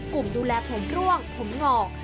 กลุ่มดูแลผมร่วงผมหงอก